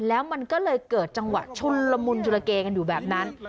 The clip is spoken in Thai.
แล้วมันก็เลยเกิดจังหวะชุนละมุนชุลเกกันอยู่แบบนั้น